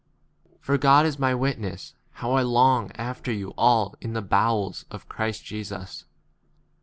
For God is my witness how I long after you all in [the] bowels of Christ Jesus.